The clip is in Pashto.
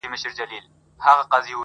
• او ذهنونه بوخت ساتي ډېر ژر,